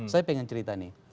saya pengen cerita nih